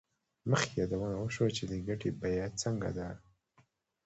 مخکې یادونه وشوه چې د ګټې بیه څنګه ده